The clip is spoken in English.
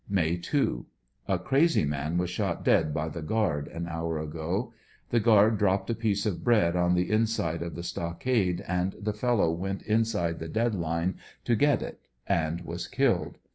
May 2.— A crazy man was shot dead by the guard an hour ago. The guard dropped a piece of bread on the inside of the stockade, and the fellow went inside the dead line to get it and was killed.